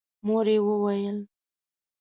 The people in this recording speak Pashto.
مور يې وويل: